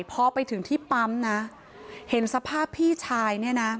พอไปถึงที่ปั๊มนะเห็นสภาพพี่ชายเนี่ยนะ